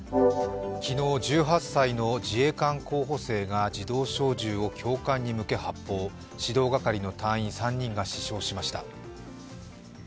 昨日、１８歳の自衛官候補生が自動小銃を教官に向け発砲、指導係の教官３人が死傷しました。